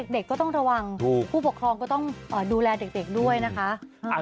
เด็กก็ต้องระวังผู้ปกครองก็ต้องดูแลเด็กด้วยนะคะ